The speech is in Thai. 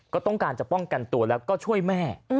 ก็ต้องการจะป้องกันตัวแล้วก็ช่วยแม่